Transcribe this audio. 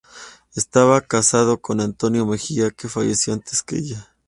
Estaba casada con Antonio Mejía, que falleció antes que ella.